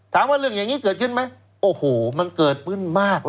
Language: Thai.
ถามว่าเรื่องอย่างนี้เกิดขึ้นไหมโอ้โหมันเกิดขึ้นมากเลย